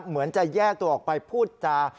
เหมือนจะแยกตัวออกไปพูดจา